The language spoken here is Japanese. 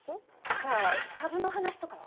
じゃあ株の話とかは？